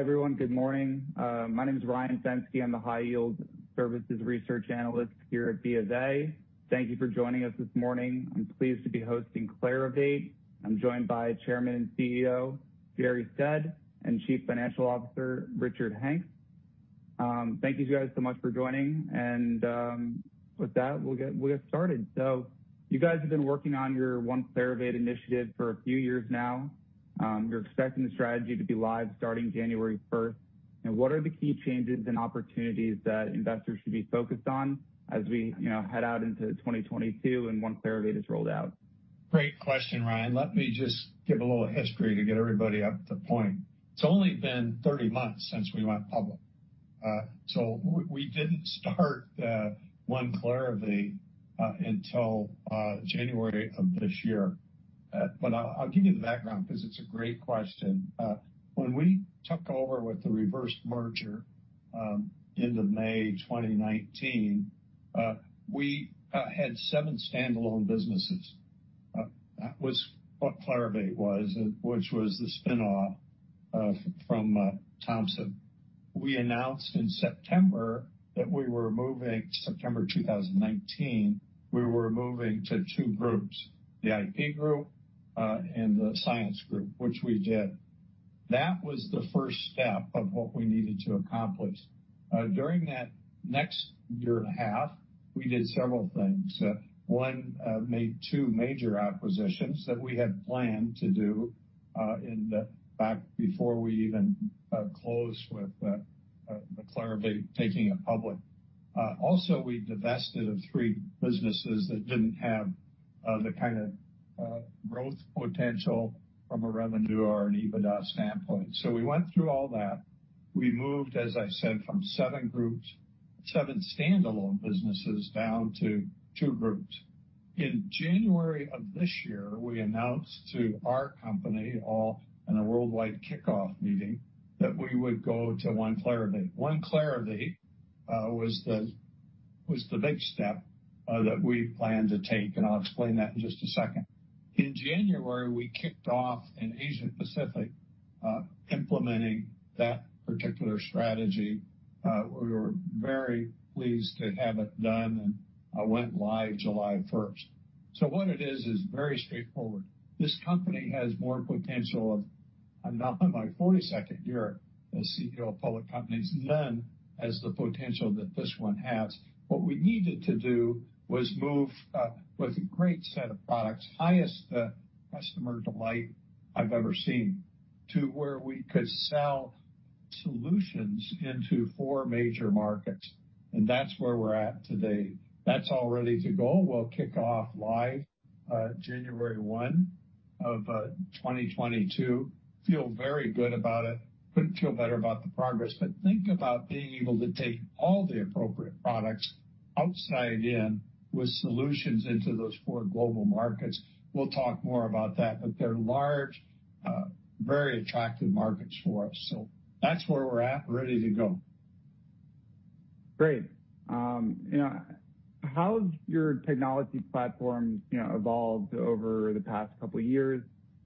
Hi, everyone. Good morning. My name is Jerre Stead. I'm the high yield services research analyst here at BofA. Thank you for joining us this morning. I'm pleased to be hosting Clarivate. I'm joined by Chairman and CEO, Jerre Stead, and Chief Financial Officer, Richard Hanks. Thank you guys so much for joining. With that, we'll get started. You guys have been working on your One Clarivate initiative for a few years now. You're expecting the strategy to be live starting January first. What are the key changes and opportunities that investors should be focused on as we, you know, head out into 2022 and One Clarivate is rolled out? Great question, Ryan. Let me just give a little history to get everybody up to speed. It's only been 30 months since we went public. We didn't start One Clarivate until January of this year. I'll give you the background because it's a great question. When we took over with the reverse merger end of May 2019, we had seven standalone businesses. That was what Clarivate was, which was the spinoff from Thomson. We announced in September 2019 that we were moving to two groups, the IP Group and the Science Group, which we did. That was the first step of what we needed to accomplish. During that next year and a half, we did several things. We made two major acquisitions that we had planned to do back before we even closed with Clarivate taking it public. Also we divested three businesses that didn't have the kind of growth potential from a revenue or an EBITDA standpoint. We went through all that. We moved, as I said, from seven groups, seven standalone businesses down to two groups. In January of this year, we announced to our company all in a worldwide kickoff meeting that we would go to One Clarivate. One Clarivate was the big step that we planned to take, and I'll explain that in just a second. In January, we kicked off in Asia Pacific implementing that particular strategy. We were very pleased to have it done and went live July 1. What it is is very straightforward. This company has more potential than I've seen in my 42nd year as CEO of public companies. What we needed to do was move with a great set of products, highest customer delight I've ever seen, to where we could sell solutions into four major markets. That's where we're at today. That's all ready to go. We'll kick off live January 1, 2022. Feel very good about it. Couldn't feel better about the progress, but think about being able to take all the appropriate products outside in with solutions into those four global markets. We'll talk more about that, but they're large, very attractive markets for us. That's where we're at. Ready to go. Great. You know, how's your technology platform, you know, evolved over the past couple of years?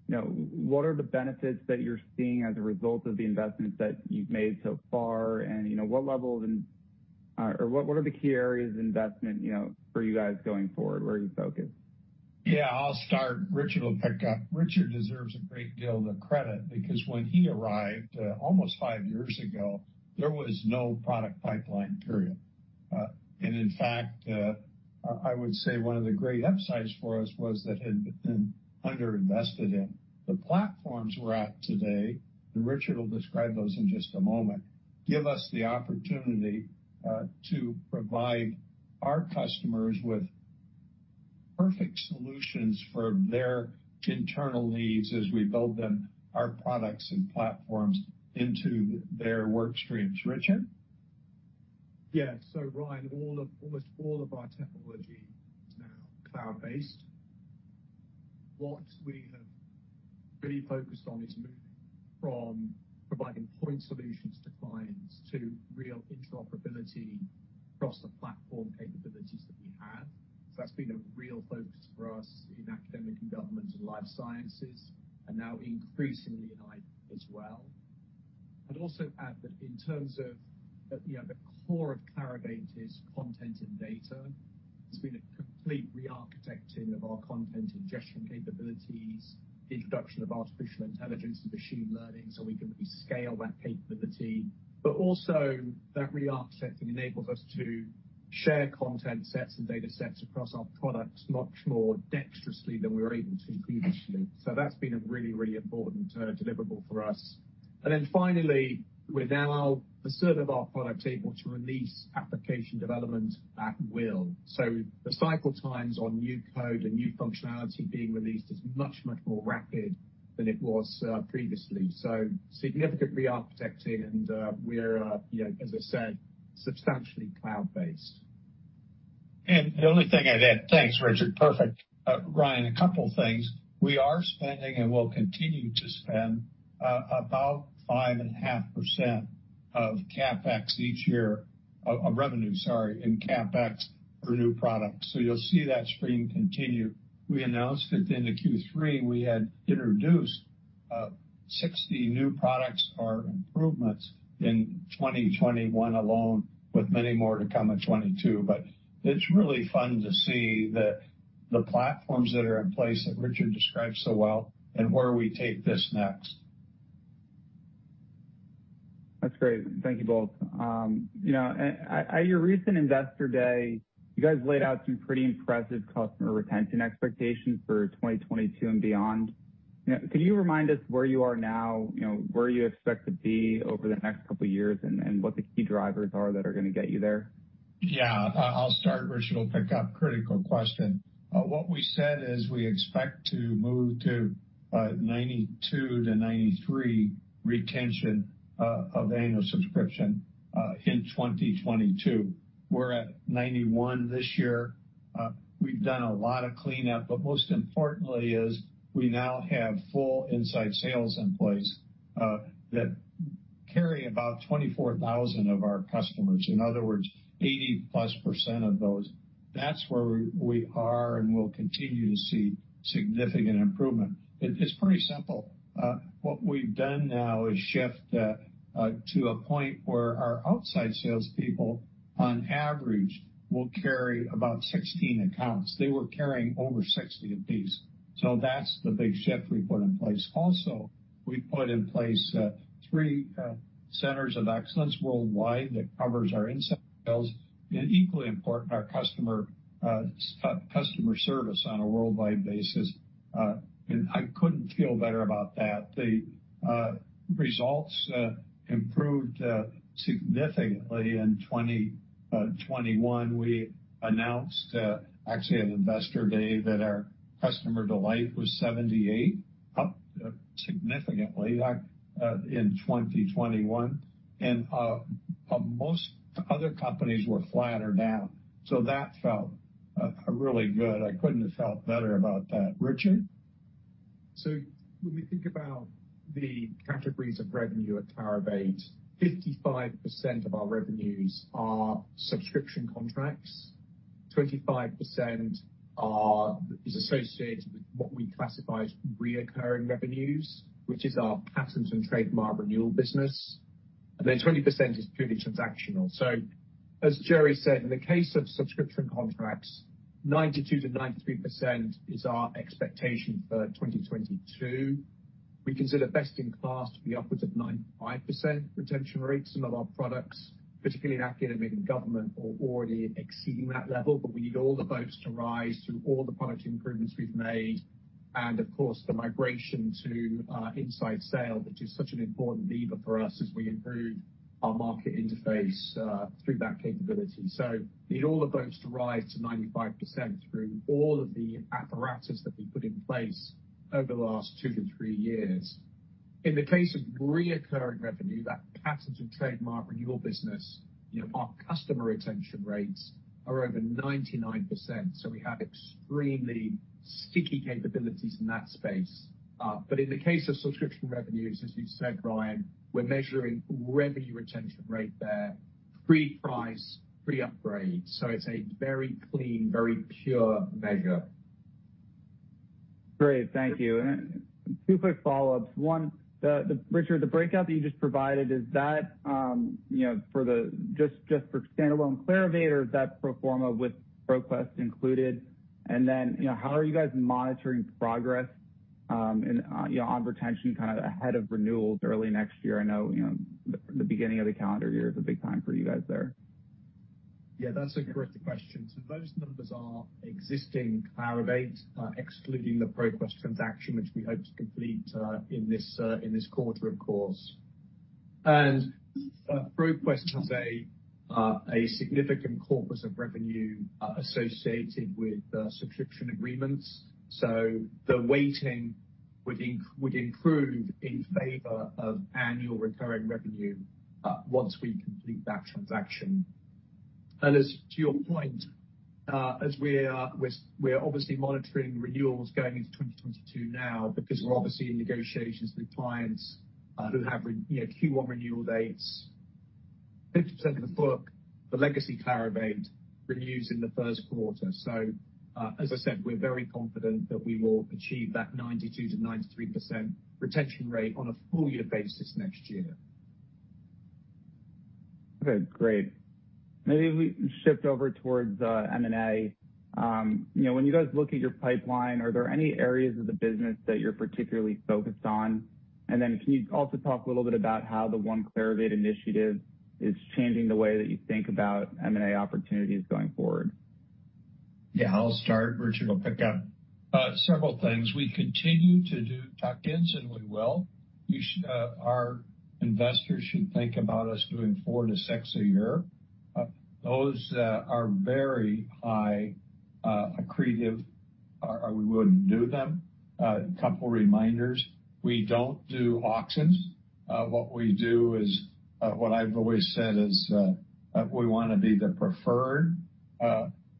You know, what are the benefits that you're seeing as a result of the investments that you've made so far? You know, or what are the key areas of investment, you know, for you guys going forward? Where are you focused? Yeah, I'll start. Richard will pick up. Richard deserves a great deal of the credit because when he arrived, almost five years ago, there was no product pipeline, period. In fact, I would say one of the great upsides for us was that it had been underinvested in. The platforms we're at today, and Richard will describe those in just a moment, give us the opportunity to provide our customers with perfect solutions for their internal needs as we build them, our products and platforms into their work streams. Richard? Yeah. Ryan, almost all of our technology is now cloud-based. What we have really focused on is moving from providing point solutions to clients to real interoperability across the platform capabilities that we have. That's been a real focus for us in Academia & Government and Life Sciences, and now increasingly in IP as well. I'd also add that in terms of, you know, the core of Clarivate is content and data. It's been a complete re-architecting of our content ingestion capabilities, the introduction of artificial intelligence and machine learning, so we can really scale that capability. But also that re-architecting enables us to share content sets and data sets across our products much more dexterously than we were able to previously. That's been a really important deliverable for us. Finally, we're now the third of our products able to release application development at will. The cycle times on new code and new functionality being released is much, much more rapid than it was previously. Significant re-architecting and we're, you know, as I said, substantially cloud-based. The only thing I'd add. Thanks, Richard. Perfect. Ryan, a couple of things. We are spending and will continue to spend about 5.5% of CapEx each year. Of revenue, sorry, and CapEx for new products. You'll see that stream continue. We announced that in Q3, we had introduced 60 new products or improvements in 2021 alone, with many more to come in 2022. It's really fun to see the platforms that are in place that Richard describes so well and where we take this next. That's great. Thank you both. You know, at your recent Investor Day, you guys laid out some pretty impressive customer retention expectations for 2022 and beyond. You know, can you remind us where you are now, you know, where you expect to be over the next couple of years and what the key drivers are that are going to get you there? I'll start. Richard will pick up. Critical question. What we said is we expect to move to 92%-93% retention of annual subscription in 2022. We're at 91% this year. We've done a lot of cleanup, but most importantly is we now have full inside sales employees that carry about 24,000 of our customers. In other words, 80%+ of those. That's where we are and will continue to see significant improvement. It's pretty simple. What we've done now is shift to a point where our outside sales people on average will carry about 16 accounts. They were carrying over 60 a piece. That's the big shift we put in place. Also, we put in place three Centers of Excellence worldwide that covers our inside sales and equally important, our customer service on a worldwide basis. I couldn't feel better about that. The results improved significantly in 2021. We announced, actually at Investor Day, that our customer delight was 78, up significantly in 2021. Most other companies were flat or down, so that felt really good. I couldn't have felt better about that. Richard. When we think about the categories of revenue at Clarivate, 55% of our revenues are subscription revenues, 25% is associated with what we classify as recurring revenues, which is our patents and trademark renewal business. 20% is purely transactional. As Jerre said, in the case of subscription revenues, 92%-93% is our expectation for 2022. We consider best in class to be upwards of 95% retention rates. Some of our products, particularly in Academia & Government, are already exceeding that level. We need all the boats to rise through all the product improvements we've made and of course, the migration to inside sales, which is such an important lever for us as we improve our market interface through that capability. We need all the boats to rise to 95% through all of the apparatus that we put in place over the last two-three years. In the case of recurring revenue, that patents and trademark renewal business, you know, our customer retention rates are over 99%, so we have extremely sticky capabilities in that space. But in the case of subscription revenues, as you said, Ryan, we're measuring revenue retention rate there, pre-price, pre-upgrade. It's a very clean, very pure measure. Great. Thank you. Two quick follow-ups. One, Richard, the breakout that you just provided, is that, you know, just for standalone Clarivate or is that pro forma with ProQuest included? And then, you know, how are you guys monitoring progress, and, you know, on retention kind of ahead of renewals early next year? I know, you know, the beginning of the calendar year is a big time for you guys there. Yeah, that's a great question. Those numbers are existing Clarivate, excluding the ProQuest transaction, which we hope to complete in this quarter, of course. ProQuest has a significant corpus of revenue associated with subscription agreements. The weighting would improve in favor of annual recurring revenue once we complete that transaction. As to your point, we're obviously monitoring renewals going into 2022 now because we're obviously in negotiations with clients who have, you know, Q1 renewal dates. 50% of the book, the legacy Clarivate renews in the first quarter. As I said, we're very confident that we will achieve that 92%-93% retention rate on a full year basis next year. Okay, great. Maybe if we shift over towards M&A. You know, when you guys look at your pipeline, are there any areas of the business that you're particularly focused on? Can you also talk a little bit about how the One Clarivate initiative is changing the way that you think about M&A opportunities going forward? Yeah, I'll start. Richard will pick up. Several things. We continue to do tuck-ins, and we will. Our investors should think about us doing four-six a year. Those are very high accretive. Or we wouldn't do them. A couple reminders. We don't do auctions. What we do is what I've always said is we want to be the preferred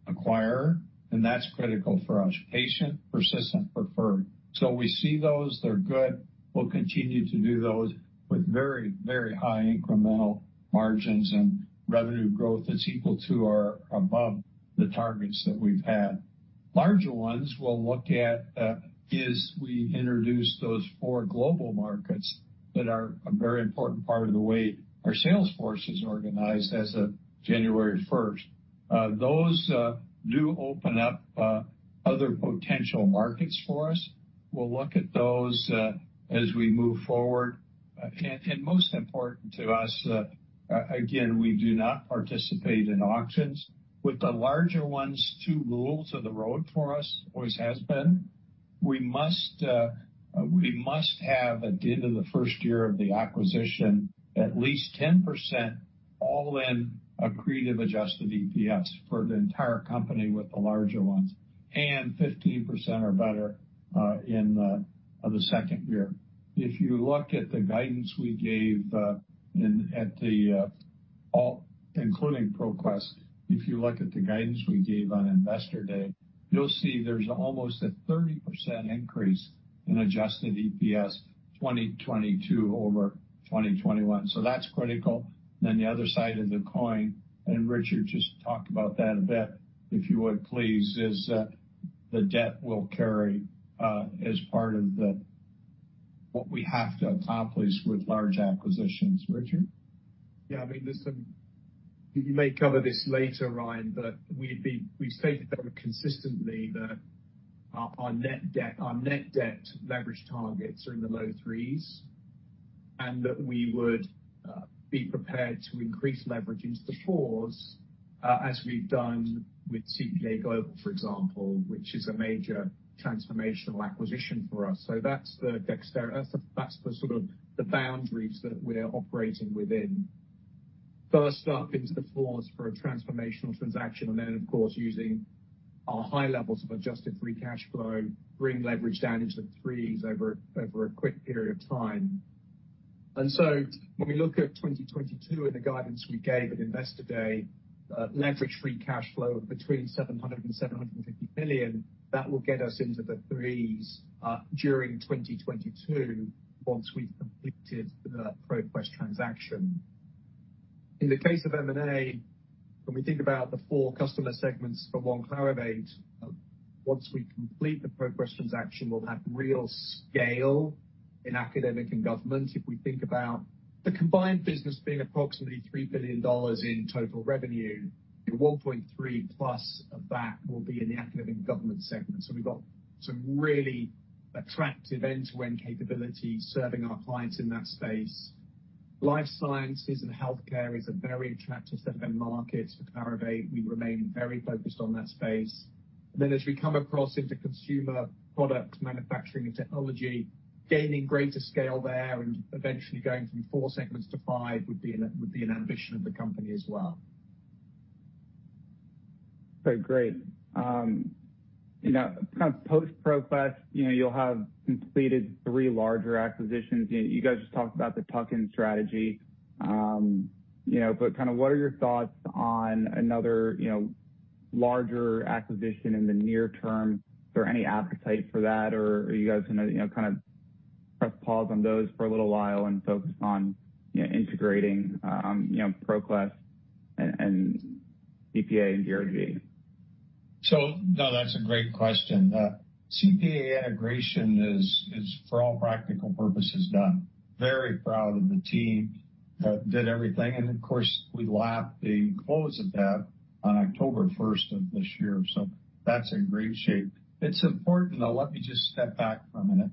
acquirer, and that's critical for us. Patient, persistent, preferred. We see those, they're good. We'll continue to do those with very, very high incremental margins and revenue growth that's equal to or above the targets that we've had. Larger ones we'll look at as we introduce those four global markets that are a very important part of the way our sales force is organized as of January first. Those do open up other potential markets for us. We'll look at those as we move forward. Most important to us, again, we do not participate in auctions. With the larger ones, two rules of the road for us always has been, we must have at the end of the first year of the acquisition at least 10% all-in accretive adjusted EPS for the entire company with the larger ones, and 15% or better in the second year. If you look at the guidance we gave including ProQuest on Investor Day, you'll see there's almost a 30% increase in adjusted EPS 2022 over 2021. That's critical. The other side of the coin, and Richard just talk about that a bit, if you would please, is the debt we'll carry as part of what we have to accomplish with large acquisitions. Richard? Yeah. I mean, listen, you may cover this later, Ryan, but we've stated very consistently that our net debt leverage targets are in the low threes, and that we would be prepared to increase leverage into the fours, as we've done with CPA Global, for example, which is a major transformational acquisition for us. So that's the dexterity. That's the sort of the boundaries that we're operating within. First up into the fours for a transformational transaction, and then, of course, using our high levels of adjusted free cash flow, bring leverage down into the threes over a quick period of time. When we look at 2022 and the guidance we gave at Investor Day, levered free cash flow of between 700 million and 750 million, that will get us into the threes during 2022 once we've completed the ProQuest transaction. In the case of M&A, when we think about the four customer segments for One Clarivate, once we complete the ProQuest transaction, we'll have real scale in Academia & Government. If we think about the combined business being approximately $3 billion in total revenue, 1.3 plus of that will be in the Academia & Government segment. We've got some really attractive end-to-end capabilities serving our clients in that space. Life Sciences & Healthcare is a very attractive segment market for Clarivate. We remain very focused on that space. As we come across into consumer product manufacturing and technology, gaining greater scale there and eventually going from four segments to five would be an ambition of the company as well. Okay, great. You know, kind of post ProQuest, you know, you'll have completed three larger acquisitions. You guys just talked about the tuck-in strategy, you know, but kind ofwhat are your thoughts on another, you know, larger acquisition in the near term? Is there any appetite for that or are you guys going to, you know, kind of press pause on those for a little while and focus on, you know, integrating ProQuest and CPA and DRG? No, that's a great question. CPA integration is for all practical purposes done. Very proud of the team that did everything. Of course, we lapped the close of that on October first of this year, so that's in great shape. It's important, though, let me just step back for a minute.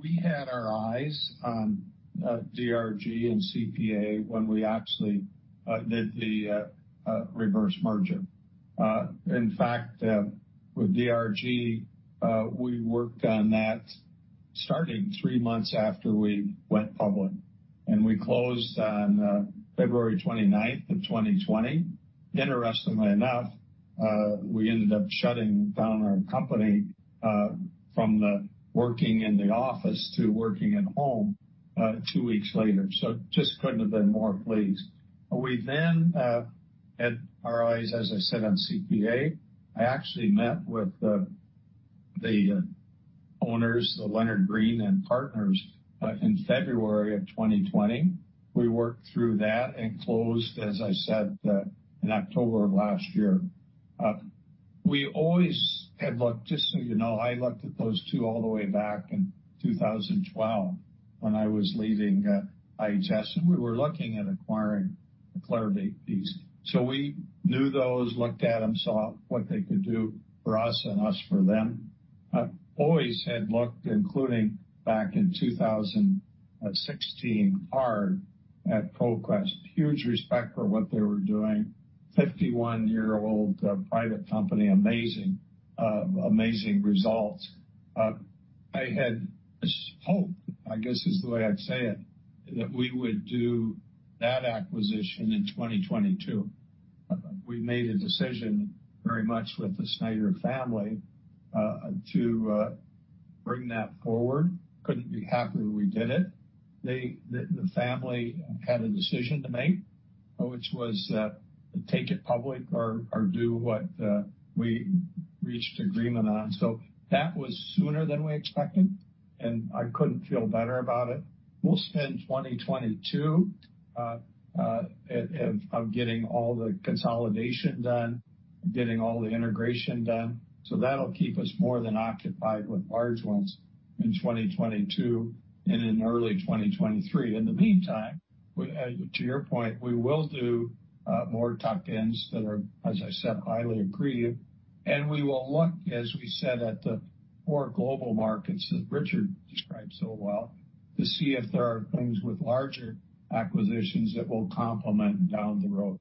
We had our eyes on DRG and CPA when we actually did the reverse merger. In fact, with DRG, we worked on that starting three months after we went public, and we closed on February twenty-ninth, 2020. Interestingly enough, we ended up shutting down our company from working in the office to working at home two weeks later. Just couldn't have been more pleased. We then had our eyes, as I said, on CPA. I actually met with the owners, the Leonard Green & Partners, in February 2020. We worked through that and closed, as I said, in October of last year. We always had looked, just so you know, I looked at those two all the way back in 2012 when I was leaving IHS Markit, and we were looking at acquiring Clarivate. We knew those, looked at them, saw what they could do for us and us for them. Always had looked, including back in 2016, hard at ProQuest. Huge respect for what they were doing. 51-year-old private company, amazing results. I had hoped, I guess, is the way I'd say it, that we would do that acquisition in 2022. We made a decision very much with the Snyder family to bring that forward. Couldn't be happier we did it. They, the family had a decision to make, which was take it public or do what we reached agreement on. That was sooner than we expected, and I couldn't feel better about it. We'll spend 2022 getting all the consolidation done, getting all the integration done, so that'll keep us more than occupied with large ones in 2022 and in early 2023. In the meantime, we, as to your point, we will do more tuck-ins that are, as I said, highly accretive. We will look, as we said, at the four global markets that Richard described so well to see if there are things with larger acquisitions that will complement down the road.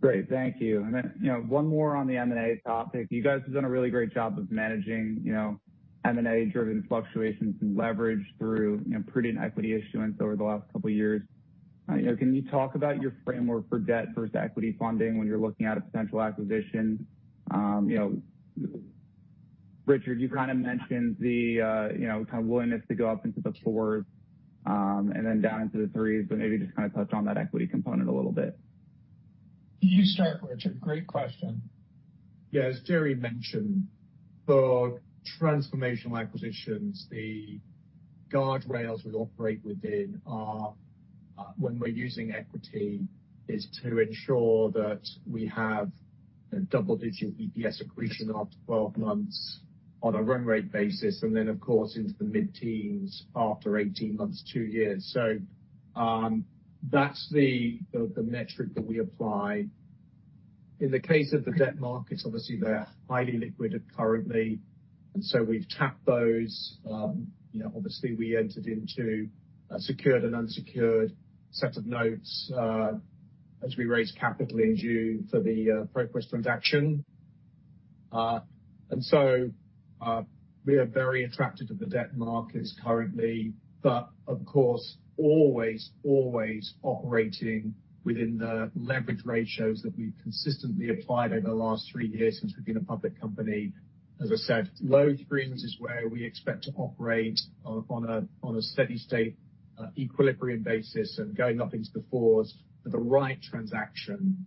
Great. Thank you. Then, you know, one more on the M&A topic. You guys have done a really great job of managing, you know, M&A driven fluctuations and leverage through, you know, pretty equity issuance over the last couple years. You know, can you talk about your framework for debt versus equity funding when you're looking at a potential acquisition? You know, Richard, you kind of mentioned the, you know, kind of willingness to go up into the 4s, and then down into the 3s, but maybe just kind of touch on that equity component a little bit. You start, Richard. Great question. Yeah. As Jerre mentioned, for transformational acquisitions, the guardrails we operate within are, when we're using equity, is to ensure that we have double-digit EPS accretion after 12 months on a run rate basis, and then, of course, into the mid-teens after 18 months, two years. That's the metric that we apply. In the case of the debt markets, obviously, they're highly liquid currently, and so we've tapped those. You know, obviously, we entered into a secured and unsecured set of notes, as we raised capital in June for the ProQuest transaction. We are very attracted to the debt markets currently, but of course, always operating within the leverage ratios that we've consistently applied over the last three years since we've been a public company. As I said, low 3s is where we expect to operate on a steady state, equilibrium basis and going up into the 4s for the right transaction.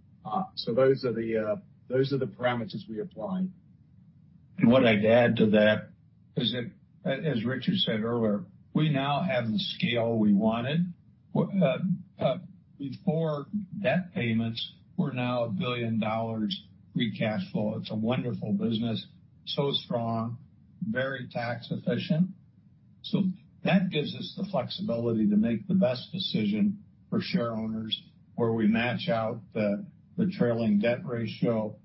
Those are the parameters we apply. What I'd add to that is that, as Richard said earlier, we now have the scale we wanted. Before debt payments, we're now $1 billion free cash flow. It's a wonderful business, so strong, very tax efficient. That gives us the flexibility to make the best decision for share owners, where we match out the trailing debt ratio,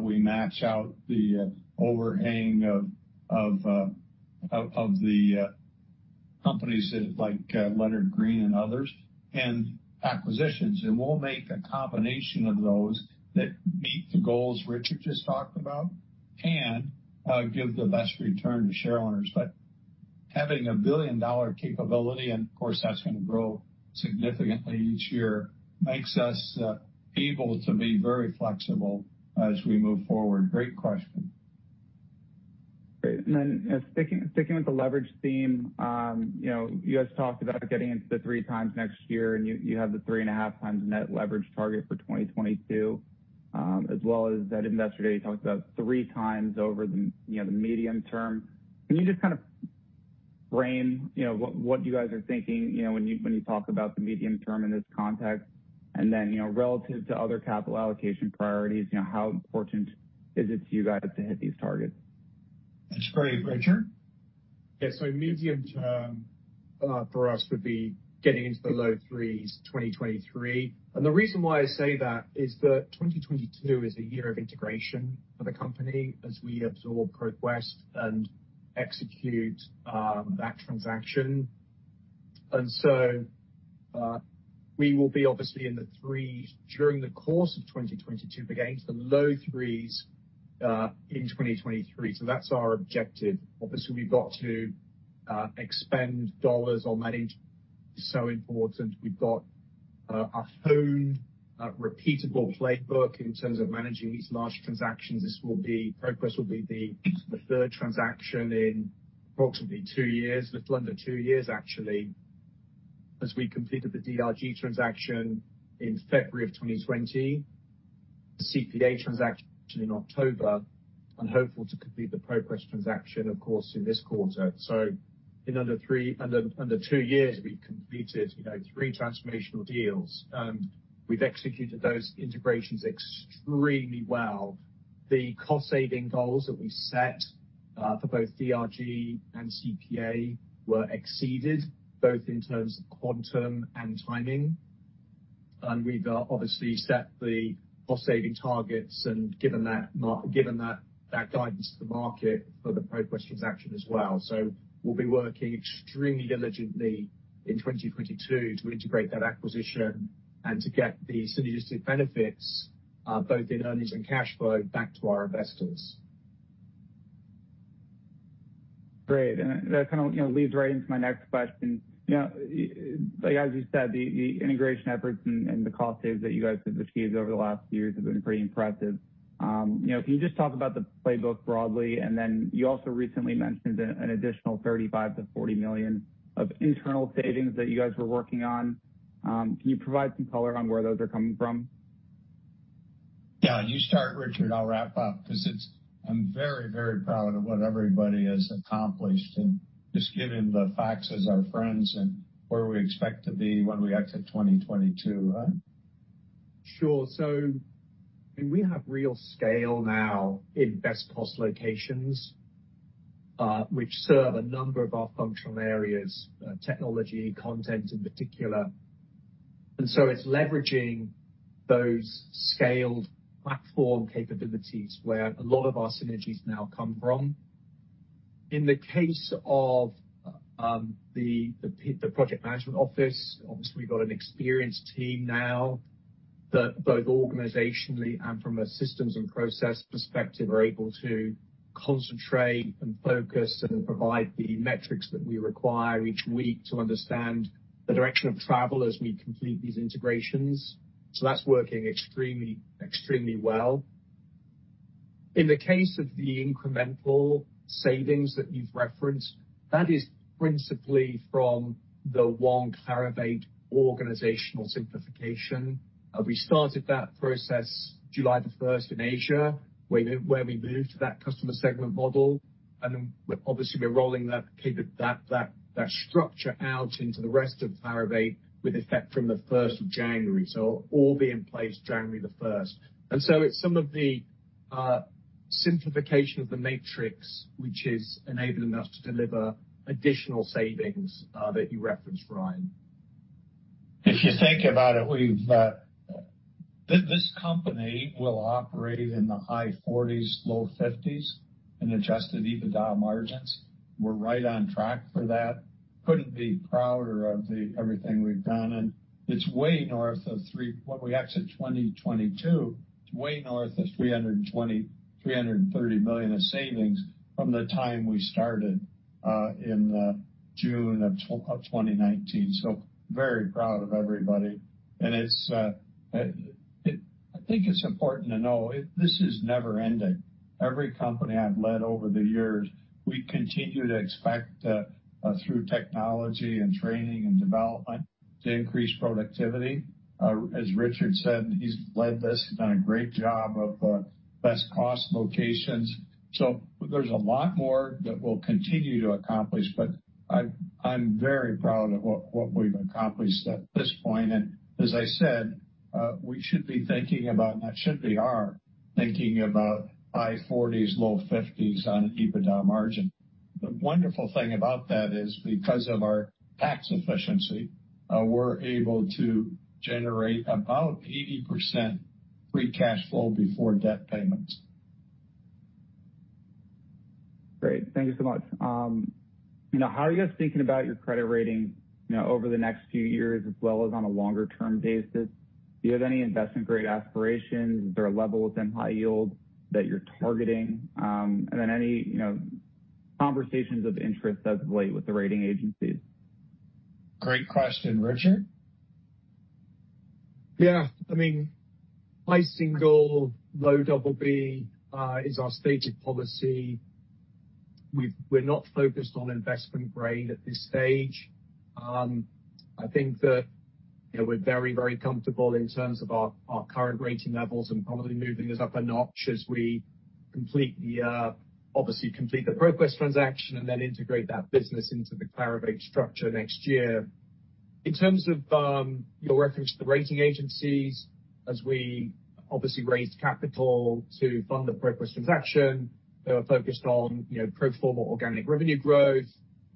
we match out the overhang of the companies that like Leonard Green and others, and acquisitions. We'll make a combination of those that meet the goals Richard just talked about and give the best return to share owners. Having a billion-dollar capability, and of course, that's going to grow significantly each year, makes us able to be very flexible as we move forward. Great question. Great. Sticking with the leverage theme, you know, you guys talked about getting into the three times next year, and you have the 3.5 times net leverage target for 2022, as well as at Investor Day, you talked about three times over the, you know, the medium term. Can you just kind of frame, you know, what you guys are thinking, you know, when you talk about the medium term in this context? You know, relative to other capital allocation priorities, you know, how important is it to you guys to hit these targets? That's great. Richard? Yeah. Medium term, for us would be getting into the low 3s, 2023. The reason why I say that is that 2022 is a year of integration for the company as we absorb ProQuest and execute that transaction. We will be obviously in the 3s during the course of 2022, but getting to the low 3s in 2023. That's our objective. Obviously, we've got to expend dollars on M&A is so important. We've got a honed repeatable playbook in terms of managing these large transactions. ProQuest will be the third transaction in approximately two years, a little under two years, actually, as we completed the DRG transaction in February of 2020, the CPA transaction in October, and hope to complete the ProQuest transaction, of course, in this quarter. In under two years, we've completed, you know, three transformational deals, and we've executed those integrations extremely well. The cost-saving goals that we set for both DRG and CPA were exceeded, both in terms of quantum and timing. We've obviously set the cost-saving targets and given that guidance to the market for the ProQuest transaction as well. We'll be working extremely diligently in 2022 to integrate that acquisition and to get the synergistic benefits both in earnings and cash flow back to our investors. Great. That kind of leads right into my next question. As you said, the integration efforts and the cost savings that you guys have achieved over the last years have been pretty impressive. Can you just talk about the playbook broadly? Then you also recently mentioned an additional 35 million-40 million of internal savings that you guys were working on. Can you provide some color on where those are coming from? Yeah, you start, Richard, I'll wrap up 'cause it's, I'm very, very proud of what everybody has accomplished, and just giving the facts as our friends and where we expect to be when we exit 2022. Right? Sure. I mean, we have real scale now in best cost locations, which serve a number of our functional areas, technology, content in particular. It's leveraging those scaled platform capabilities where a lot of our synergies now come from. In the case of the project management office, obviously, we've got an experienced team now that both organizationally and from a systems and process perspective, are able to concentrate and focus and provide the metrics that we require each week to understand the direction of travel as we complete these integrations. That's working extremely well. In the case of the incremental savings that you've referenced, that is principally from the One Clarivate organizational simplification. We started that process July 1 in Asia, where we moved to that customer segment model. Obviously, we're rolling that structure out into the rest of Clarivate with effect from the first of January. It'll all be in place January the first. It's some of the simplification of the matrix, which is enabling us to deliver additional savings that you referenced, Ryan. If you think about it, this company will operate in the high 40s-low 50s% adjusted EBITDA margins. We're right on track for that. Couldn't be prouder of everything we've done, and when we exit 2022, it's way north of 320 million-330 million of savings from the time we started in June of 2019. Very proud of everybody. I think it's important to know, this is never ending. Every company I've led over the years, we continue to expect through technology and training and development to increase productivity. As Richard said, he's led this. He's done a great job of best cost locations. There's a lot more that we'll continue to accomplish, but I'm very proud of what we've accomplished at this point. As I said, we are thinking about high 40s-low 50s% EBITDA margin. The wonderful thing about that is because of our tax efficiency, we're able to generate about 80% free cash flow before debt payments. Great. Thank you so much. You know, how are you guys thinking about your credit rating, you know, over the next few years as well as on a longer term basis? Do you have any investment grade aspirations? Is there a level within high yield that you're targeting? Any, you know, conversations of interest as of late with the rating agencies? Great question. Richard? Yeah. I mean, high single, low double B is our stated policy. We're not focused on investment grade at this stage. I think that, you know, we're very, very comfortable in terms of our current rating levels and probably moving this up a notch as we complete the ProQuest transaction and then integrate that business into the Clarivate structure next year. In terms of your reference to the rating agencies, as we obviously raised capital to fund the ProQuest transaction, they were focused on, you know, pro forma organic revenue growth,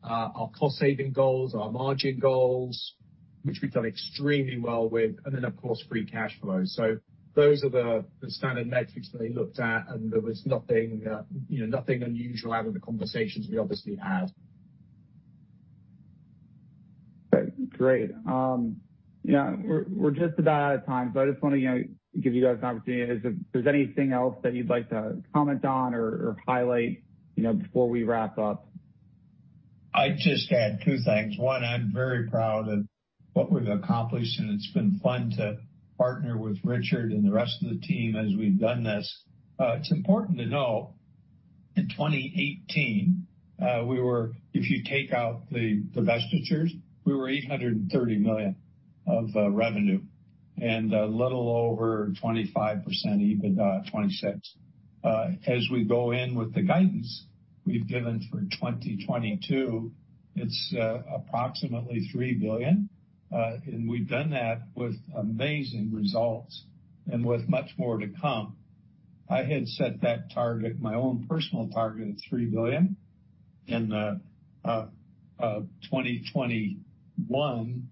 our cost saving goals, our margin goals, which we've done extremely well with, and then, of course, free cash flow. Those are the standard metrics that they looked at, and there was nothing, you know, nothing unusual out of the conversations we obviously had. Okay, great. Yeah, we're just about out of time, so I just want to, you know, give you guys an opportunity. If there's anything else that you'd like to comment on or highlight, you know, before we wrap up? I'd just add two things. One, I'm very proud of what we've accomplished, and it's been fun to partner with Richard and the rest of the team as we've done this. It's important to know, in 2018, we were, if you take out the divestitures, we were 830 million of revenue and a little over 25% EBITDA, 26%. As we go in with the guidance we've given for 2022, it's approximately 3 billion, and we've done that with amazing results and with much more to come. I had set that target, my own personal target of 3 billion in 2021,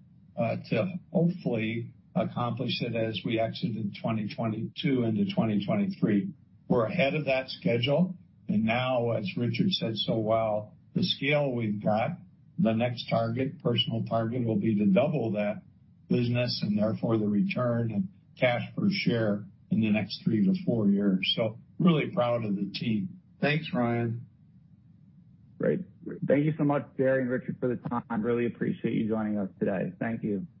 to hopefully accomplish it as we exited 2022 into 2023. We're ahead of that schedule, and now, as Richard said so well, the scale we've got, the next target, personal target, will be to double that business and therefore the return of cash per share in the next three-four years. Really proud of the team. Thanks, Ryan. Great. Thank you so much, Jerre and Richard, for the time. Really appreciate you joining us today. Thank you.